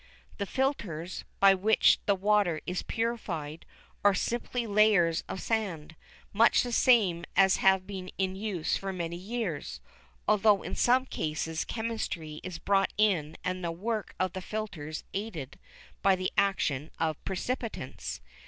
The filters, by which the water is purified, are simply layers of sand, much the same as have been in use for many years, although in some cases chemistry is brought in and the work of the filters aided by the action of precipitants.